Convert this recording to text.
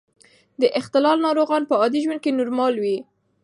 د اختلال ناروغان په عادي ژوند کې نورمال وي.